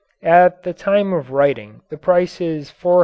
At the time of writing the price is $497.